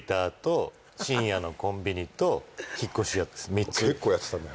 えと３つ結構やってたんだ